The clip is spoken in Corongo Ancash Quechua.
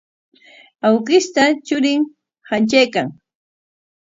Awkishta churin hantraykan.